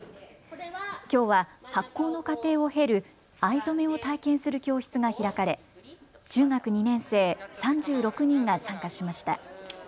きょうは発酵の過程を経る藍染めを体験する教室が開かれ中学２年生３６人が参加しました。